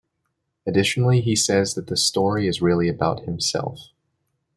Additionally he says, that the story is really about himself.